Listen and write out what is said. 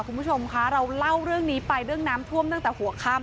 คุณผู้ชมคะเราเล่าเรื่องนี้ไปเรื่องน้ำท่วมตั้งแต่หัวค่ำ